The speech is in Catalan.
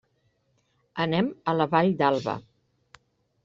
Anem a la Vall d'Alba.